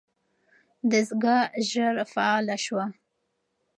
دستګاه ژر فعاله شوه.